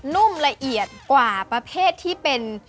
นุ่มละเอียดกว่าประเภทที่เป็น